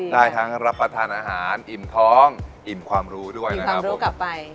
ได้ทั้งรับประทานอาหารอิ่มท้องอิ่มความรู้ด้วยนะครับรู้กลับไป